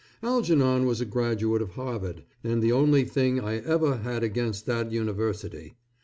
Algernon was a graduate of Harvard, and the only thing I ever had against that university.